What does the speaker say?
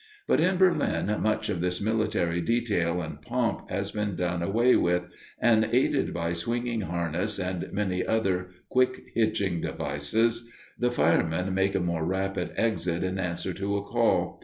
But in Berlin much of this military detail and pomp has been done away with, and, aided by swinging harness and many other quick hitching devices, the firemen make a more rapid exit in answer to a call.